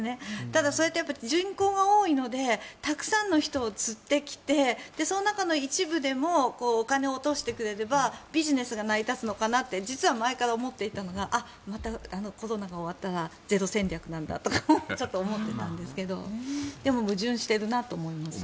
ただ、それって人口が多いのでたくさんの人を釣ってきてその中の一部でもお金を落としてくれればビジネスが成り立つのかなって実は前から思っていたのがあ、またコロナが終わったらゼロ戦略なんだとかちょっと思ってたんですけどでも矛盾しているなと思っています。